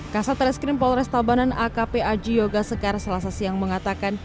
kasat reskrim polres tabanan akp aji yoga sekar selasa siang mengatakan